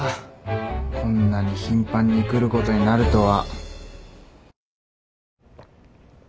こんなに頻繁に来ることになるとは。